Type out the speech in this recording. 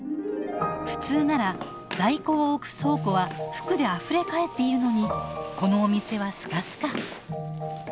普通なら在庫を置く倉庫は服であふれ返っているのにこのお店はスカスカ。